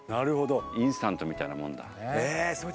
インスタントみたいなもんだ。